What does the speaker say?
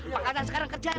pak kita sekarang kerjanya